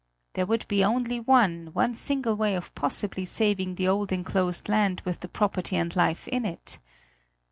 There would be only one, one single way of possibly saving the old enclosed land with the property and life in it.